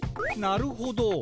なるほど。